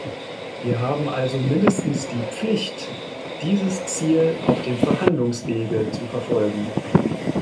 Wir haben also mindestens die Pflicht, dieses Ziel auf dem Verhandlungswege zu verfolgen.